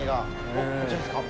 おっこちらですか？